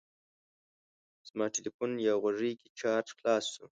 زما تلیفون یا غوږۍ کې چارج خلاص شو.